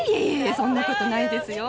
そんな事ないですよ。